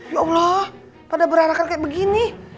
ya allah pada beranakan kayak begini